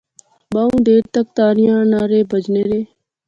بہوں دیر تک تاڑیاں نعرے بجنے رہے